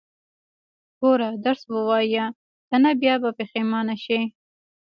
ګوره، درس ووايه، که نه بيا به پښيمانه شې.